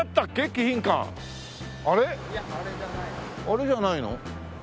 あれじゃないの？